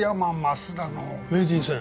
名人戦？